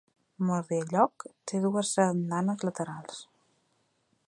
Mordialloc té dues andanes laterals.